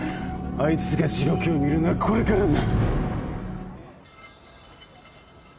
あいつが地獄を見るのはこれからだ。